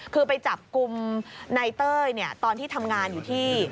คือไปจับกลุ่มนายเต้ยตอนที่ทำงานอยู่ที่